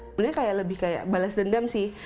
sebenarnya kayak lebih kayak balas dendam sih